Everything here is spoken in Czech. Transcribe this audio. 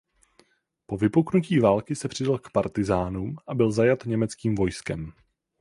Po vypuknutí války se přidal k partyzánům a byl zajat německým vojskem.